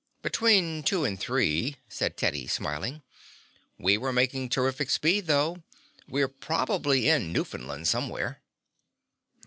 "Between two and three," said Teddy, smiling. "We were making terrific speed, though. We're probably in Newfoundland somewhere."